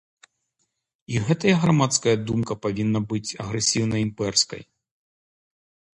І гэтая грамадская думка павінна быць агрэсіўна-імперскай.